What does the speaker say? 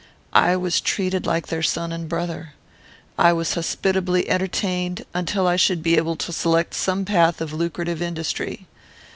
I was treated like their son and brother. I was hospitably entertained until I should be able to select some path of lucrative industry.